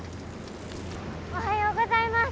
おはようございます。